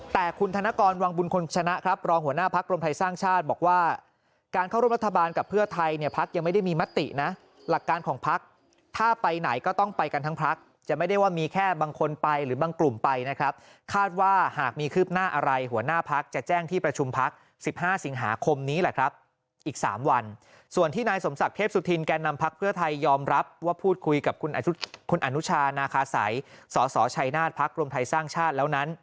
แต่คุณธนกรวังบุญคนชนะครับรองหัวหน้าพักรมไทยสร้างชาติบอกว่าการเข้าร่วมรัฐบาลกับเพื่อไทยเนี่ยพักยังไม่ได้มีมัตตินะหลักการของพักถ้าไปไหนก็ต้องไปกันทั้งพักจะไม่ได้ว่ามีแค่บางคนไปหรือบางกลุ่มไปนะครับคาดว่าหากมีคืบหน้าอะไรหัวหน้าพักจะแจ้งที่ประชุมพัก๑๕สิงหาคมนี้แหละครับอี